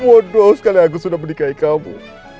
waduh sekali aku sudah menikahi kamu